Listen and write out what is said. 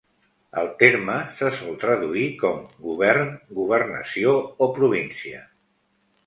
El terme se sol traduir com "govern", "governació" o "província".